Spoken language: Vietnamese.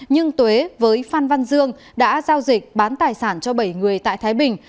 nhưng tuế với phan văn dương đã giao dịch bán tài sản cho bảy người tại thái bình